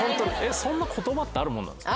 そんな言葉ってあるもんなんですか？